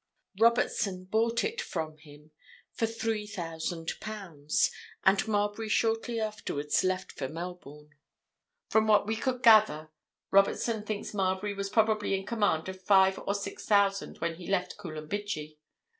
Robertson bought it from him for three thousand pounds, and Marbury shortly afterwards left for Melbourne. From what we could gather, Robertson thinks Marbury was probably in command of five or six thousand when he left Coolumbidgee.